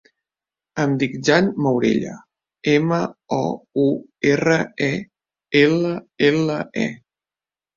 Em dic Jan Mourelle: ema, o, u, erra, e, ela, ela, e.